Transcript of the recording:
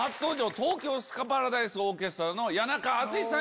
東京スカパラダイスオーケストラの谷中敦さん